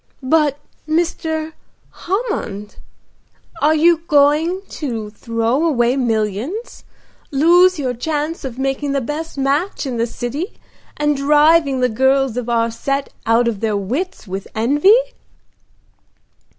"But Mr. Hammond? Are you going to throw away millions, lose your chance of making the best match in the city, and driving the girls of our set out of their wits with envy?"